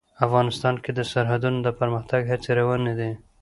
افغانستان کې د سرحدونه د پرمختګ هڅې روانې دي.